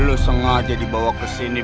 lo sengaja dibawa ke sini